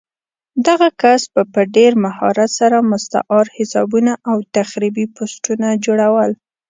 دغه کس به په ډېر مهارت سره مستعار حسابونه او تخریبي پوسټونه جوړول